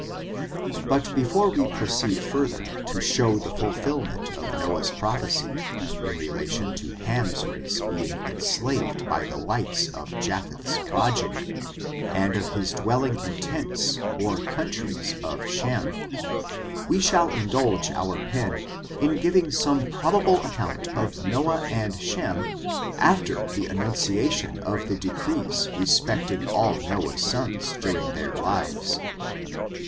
But, before we proceed further to show the fulfill ment of Noah's prophesy, in relation to Ham's race being enslaved by the whites of Japheth's progeny, and of his dwelling in the tents or countries ofShentj we shall indulge our pen in giving some probable ac count of Noah and Shem, after the annunciation of the decrees respecting all Noah's sons during their lives.